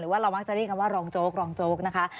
ว่าเรามักจะเรียกกันว่ารองโจ๊กรองโจ๊กนะคะ